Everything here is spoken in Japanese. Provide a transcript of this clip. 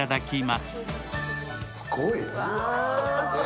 すごいよ。